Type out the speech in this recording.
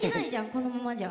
このままじゃ。